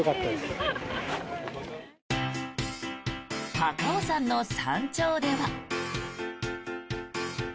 高尾山の山頂では。